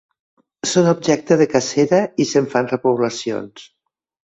Són objecte de cacera i se'n fan repoblacions.